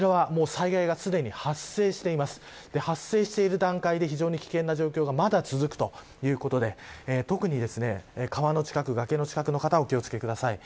災害が発生していてもまだ危険な状態が続いているということで特に川の近く、崖の近くの方お気を付けください。